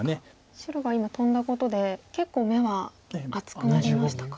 白が今トンだことで結構眼は厚くなりましたか。